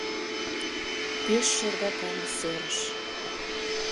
Пеш шергакан серыш.